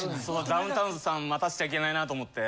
ダウンタウンさん待たせちゃいけないなと思って。